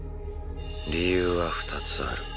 理由は２つある。